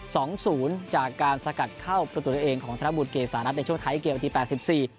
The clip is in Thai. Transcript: สองศูนย์จากการสกัดเข้าประตูตัวเองของธนบุตเกษารัฐในช่วงท้ายเกมนาทีแปดสิบสี่